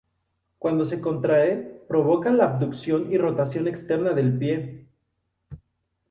Cuando se contrae, provoca la abducción y rotación externa del pie.